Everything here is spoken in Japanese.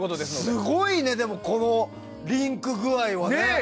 すごいね、このリンク具合は。